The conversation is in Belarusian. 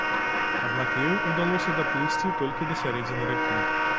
Аднак ёй удалося даплысці толькі да сярэдзіны ракі.